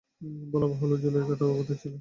বলাবাহুল্য, যুলায়খা তার উপাধি ছিল।